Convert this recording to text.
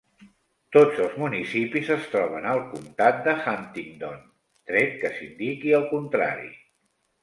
Tots els municipis es troben al comtat de Huntingdon, tret que s'indiqui el contrari.